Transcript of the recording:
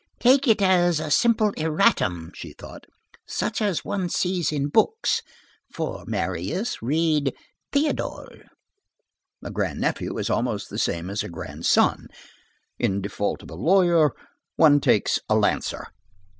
"Take it as a simple erratum," she thought, "such as one sees in books. For Marius, read Théodule." A grandnephew is almost the same as a grandson; in default of a lawyer one takes a lancer.